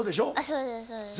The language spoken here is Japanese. そうですそうです。